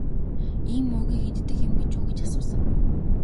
Ийм мөөгийг иддэг юм гэж үү гэж асуусан.